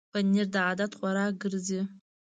پنېر د عادت خوراک ګرځي.